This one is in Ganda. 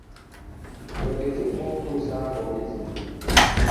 Weegezeemu okutuusa ng'oyize.